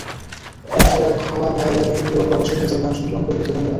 রাশিয়ার হাওয়া গায়ে লাগিয়ে প্রিয় প্রবাসী ভাইদের গান শোনালাম গর্বিত বাংলার।